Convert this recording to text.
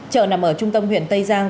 chợ nằm ở trung tâm huyện tây giang